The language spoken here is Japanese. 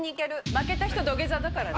負けた人土下座だからね。